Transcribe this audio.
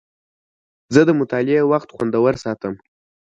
زه د مطالعې وخت خوندور ساتم.